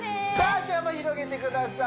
足幅広げてください